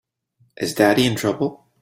Is Daddy in trouble?